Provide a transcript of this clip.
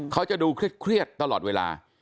เขาจะดูเครียดตลอดเวลา